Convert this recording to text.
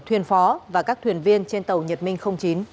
thuyền phó và các thuyền viên trên tàu nhật minh chín